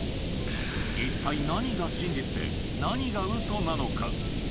一体何が真実で、何がウソなのか。